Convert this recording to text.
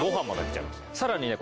さらにね